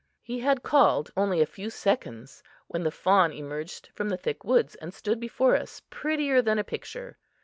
He had called only a few seconds when the fawn emerged from the thick woods and stood before us, prettier than a picture.